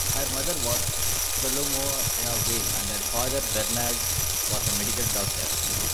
Her mother was Saolomea Weil and her father Bernard was a medical doctor.